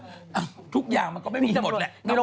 ทุกอย่างมันก็ไม่มีหมดแหละ